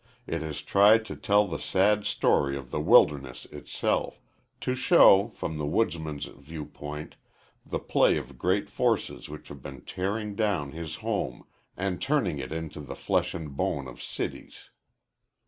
It has tried to tell the sad story of the wilderness itself to show, from the woodsman's view point, the play of great forces which have been tearing down his home and turning it into the flesh and bone of cities.